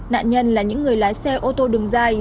nạn nhân là những người lái xe ô tô đường dài